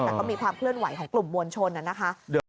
แต่ก็มีความเคลื่อนไหวของกลุ่มมวลชนนะคะ